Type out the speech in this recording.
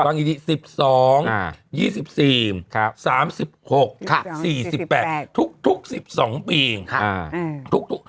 อันนี้๑๒๒๔๓๖๔๘ทุก๑๒ปีอย่างค่ะ